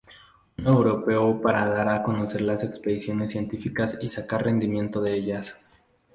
Uno europeo para dar a conocer las expediciones científicas y sacar rendimiento de ellas.